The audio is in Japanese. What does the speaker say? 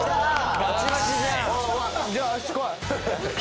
じゃあよしこい。